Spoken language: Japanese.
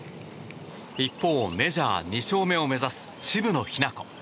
一方、メジャー２勝目を目指す渋野日向子。